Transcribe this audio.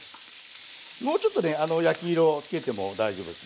もうちょっとね焼き色をつけても大丈夫です。